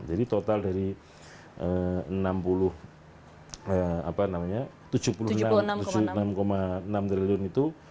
jadi total dari tujuh puluh enam enam triliun itu